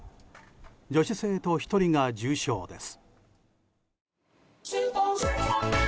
女子生徒１人が重症です。